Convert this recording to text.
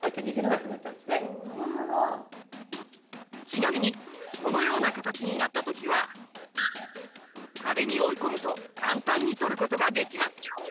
ちなみにこのような形になった時は壁に追い込むと簡単に取ることができます。